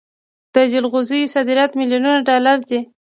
د جلغوزیو صادرات میلیونونه ډالر دي.